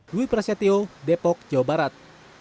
dwi prasetyo depok jawa barat